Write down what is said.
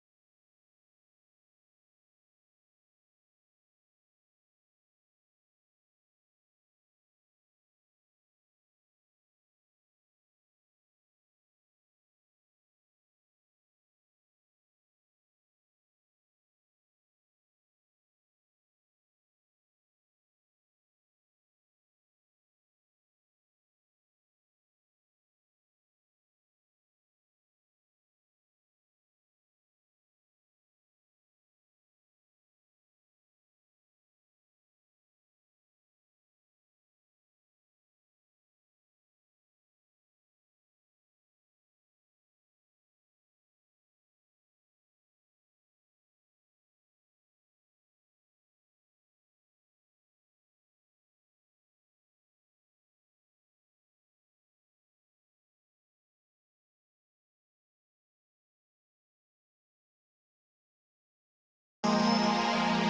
itu itu padaku prime